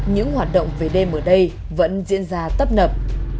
những hoạt động về đêm ở đây vẫn diễn ra tấp nập